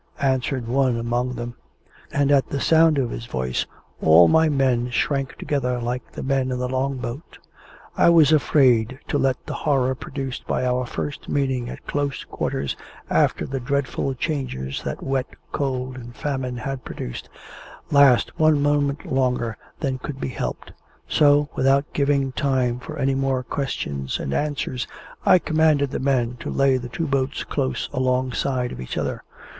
answered one among them. And at the sound of his voice, all my men shrank together like the men in the Long boat. I was afraid to let the horror produced by our first meeting at close quarters after the dreadful changes that wet, cold, and famine had produced, last one moment longer than could be helped; so, without giving time for any more questions and answers, I commanded the men to lay the two boats close alongside of each other.